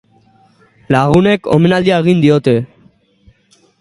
Lagunek omenaldia egin diote.